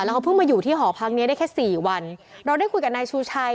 เขาเพิ่งมาอยู่ที่หอพักเนี้ยได้แค่สี่วันเราได้คุยกับนายชูชัย